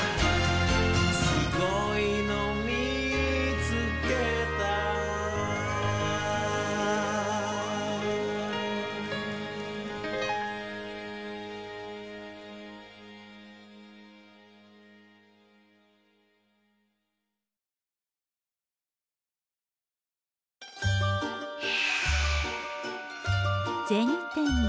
「すごいのみつけた」銭天堂。